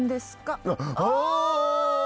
ああ！